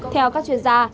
theo các chuyên gia